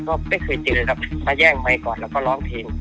ก็ไม่เคยเจอครับมาแย่งไมค์ก่อนแล้วก็ร้องเพลง